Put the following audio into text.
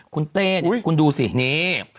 คุณเต้นี่คุณดูสินี่